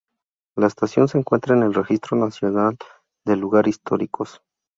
La estación se encuentra en el Registro Nacional de Lugares Históricos.